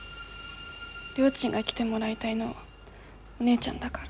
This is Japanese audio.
りょーちんが来てもらいたいのはお姉ちゃんだから。